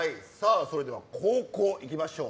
それでは後攻いきましょう。